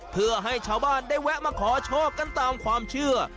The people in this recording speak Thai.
เพื่อให้ชาวบ้านได้แวะมาขอโชคกันตามความเชื่อ